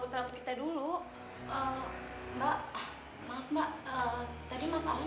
until morning bajunya zien